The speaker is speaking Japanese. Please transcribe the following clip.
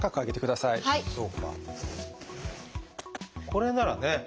これならね。